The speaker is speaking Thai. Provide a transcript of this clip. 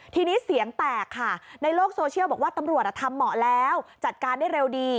ทีนี้เสียงแตกค่ะในโลกโซเชียลบอกว่าตำรวจทำเหมาะแล้วจัดการได้เร็วดี